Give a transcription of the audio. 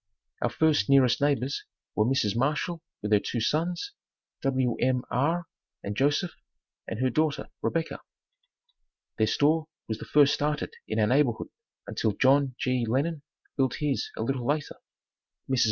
Our first nearest neighbors were Mrs. Marshall with her two sons, Wm. R. and Joseph, and her daughter, Rebecca. Their store was the first started in our neighborhood until John G. Lennon built his a little later. Mrs.